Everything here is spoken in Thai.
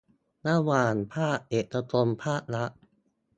ระหว่างภาคเอกชนภาครัฐ